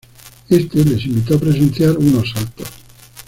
Éste les invitó a presenciar unos saltos.